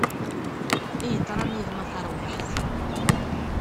I yeḍran yid-m a tarwiḥt!